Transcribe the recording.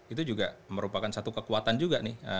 itu juga merupakan satu kekuatan juga nih